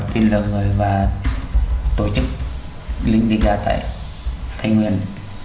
tuyển lợi người và tổ chức lính đi ra tại thành nguyên